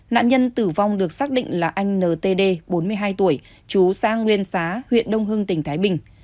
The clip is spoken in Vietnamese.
nạn nhân tử vong được xác định là anh ntd bốn mươi hai tuổi chú xã nguyên xá huyện đông hưng tỉnh thái bình